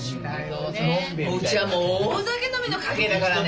うちはもう大酒飲みの家系だからね。